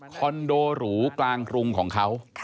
นโดหรูกลางกรุงของเขา